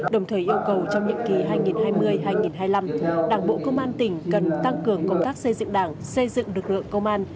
đồng thời yêu cầu trong nhiệm kỳ hai nghìn hai mươi hai nghìn hai mươi năm đảng bộ công an tỉnh cần tăng cường công tác xây dựng đảng xây dựng lực lượng công an